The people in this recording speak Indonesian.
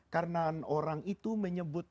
karena orang itu menyebut